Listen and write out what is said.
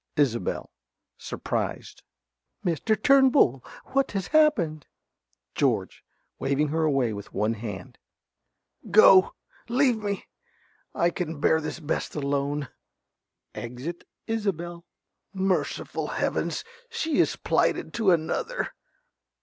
_) ~Isobel~ (surprised). Mr. Turnbull! What has happened? ~George~ (waving her away with one hand). Go! Leave me! I can bear this best alone. (Exit Isobel.) Merciful heavens, she is plighted to another.